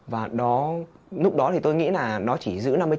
và đó lúc đó thì tôi nghĩ là nó chỉ giữ năm mươi triệu